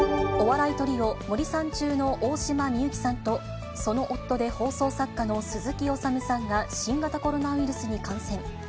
お笑いトリオ、森三中の大島美幸さんと、その夫で放送作家の鈴木おさむさんが新型コロナウイルスに感染。